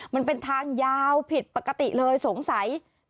มันเป็นทางยาวผิดปกติเลยสงสัย